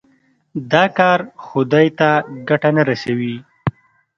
دا کار خدای ته ګټه نه رسوي.